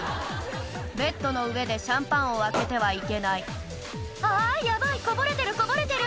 ベッドの上でシャンパンを開けてはいけない「あぁヤバいこぼれてるこぼれてる」